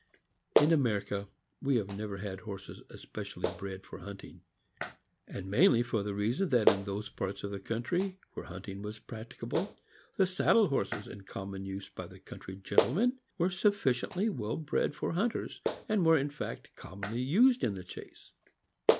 In America we have never had horses especially bred for hunting, and mainly for the reason that in those parts of the country where hunting was practicable the saddle horses in common use by the country gentleman were suf ficiently well bred for hunters, and were in fact commonly used in the chase.